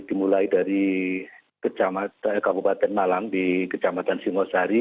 dimulai dari kabupaten malang di kecamatan singosari